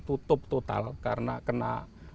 tutup total karena kena